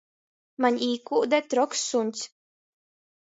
Maņ īkūde troks suņs.